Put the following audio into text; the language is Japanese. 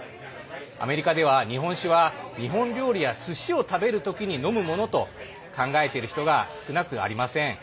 アメリカでは日本酒は日本料理や、すしを食べる時に飲むものと考えている人が少なくありません。